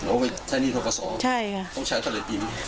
โอ้ให้ใช้นี่ท้าวกระสอบต้องใช้เท่าไหร่ปีนี่